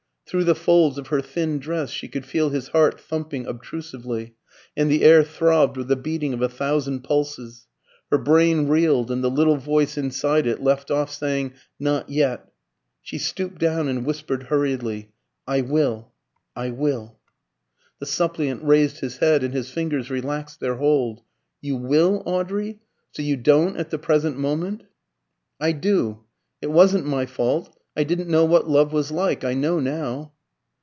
Through the folds of her thin dress she could feel his heart thumping obtrusively, and the air throbbed with the beating of a thousand pulses. Her brain reeled, and the little voice inside it left off saying "Not yet." She stooped down and whispered hurriedly "I will I will." The suppliant raised his head, and his fingers relaxed their hold. "You will, Audrey? So you don't at the present moment?" "I do. It wasn't my fault. I didn't know what love was like. I know now."